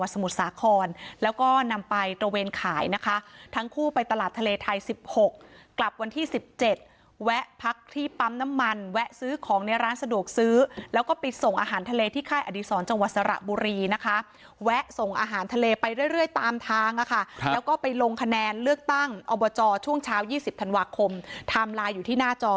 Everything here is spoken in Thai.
สมุทรสาครแล้วก็นำไปตระเวนขายนะคะทั้งคู่ไปตลาดทะเลไทยสิบหกกลับวันที่สิบเจ็ดแวะพักที่ปั๊มน้ำมันแวะซื้อของในร้านสะดวกซื้อแล้วก็ไปส่งอาหารทะเลที่ค่ายอดีศรจังหวัดสระบุรีนะคะแวะส่งอาหารทะเลไปเรื่อยตามทางอะค่ะแล้วก็ไปลงคะแนนเลือกตั้งอบจช่วงเช้า๒๐ธันวาคมไทม์ไลน์อยู่ที่หน้าจอ